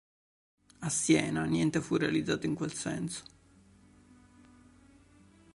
A Siena, niente fu realizzato in quel senso.